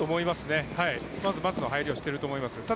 まずまずの入りをしていると思います。